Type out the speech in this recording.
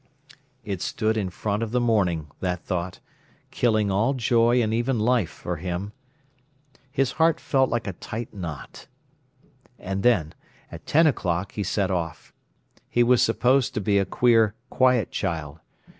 It stood in front of the morning, that thought, killing all joy and even life, for him. His heart felt like a tight knot. And then, at ten o'clock, he set off. He was supposed to be a queer, quiet child.